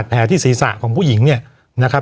วันนี้แม่ช่วยเงินมากกว่า